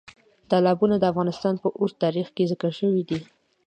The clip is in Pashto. تالابونه د افغانستان په اوږده تاریخ کې ذکر شوي دي.